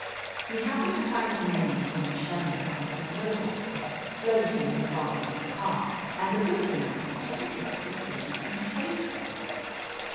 He happened to find a menu from the Sherman House at Noblestown floating in the body of the car, and the good for nothing took a trip to the city and traced us.